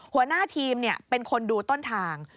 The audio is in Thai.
หัวหน้าทีมเป็นคนดูต้นทาง